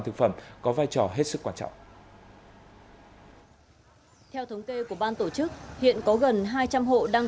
thực phẩm có vai trò hết sức quan trọng theo thống kê của ban tổ chức hiện có gần hai trăm linh hộ đang